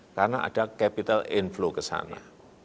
karena ada capital inflow ke sana